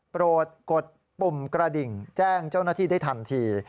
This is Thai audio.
โปรดกดปุ่มกระดิ่งแจ้งเจ้าหน้าที่ได้ทันที